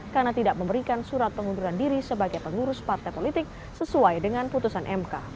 karena tidak memberikan surat pengunduran diri sebagai pengurus partai politik sesuai dengan putusan mk